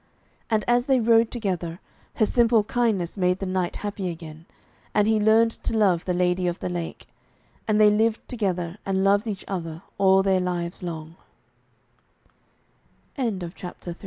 And as they rode together, her simple kindness made the knight happy again, and he learned to love the Lady of the Lake, and they lived together and loved each other all their li